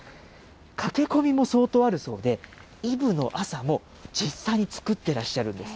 駆け込みも相当あるそうで、イブの朝も、実際に作ってらっしゃるんです。